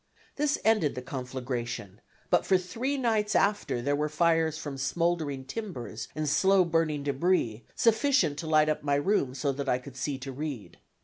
This ended the conflagration; but for three nights after there were fires from smouldering timbers and slow burning debris, sufficient to light up my room so that I could see to read.